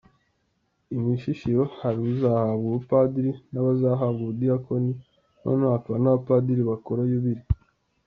I Mushishiro hari uzahabwa ubupadiri n’abazahabwa ubudiyakoni, noneho hakaba n’abapadiri bakora yubile.